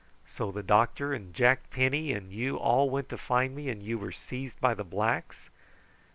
"So the doctor and Jack Penny and you all went to find me, and you were seized by the blacks?"